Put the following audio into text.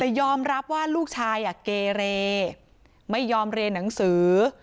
แต่ยอมรับว่าลูกชายเกเรไม่ยอมเรียนหนังสือ